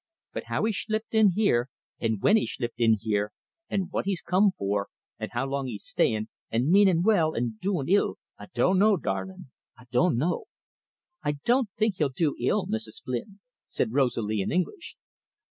But how he shlipped in here, an' when he shlipped in here, an' what's he come for, an' how long he's stayin', an' meanin' well, or doin' ill, I dun'no', darlin', I dun' no'." "I don't think he'll do ill, Mrs. Flynn," said Rosalie, in English.